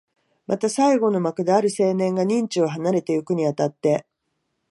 また最後の幕で、ある青年が任地を離れてゆくに当たって、